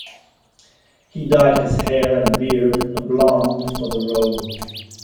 He dyed his hair and beard blonde for the role.